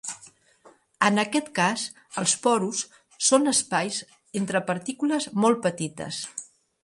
En aquest cas els porus són espais entre partícules molt petites.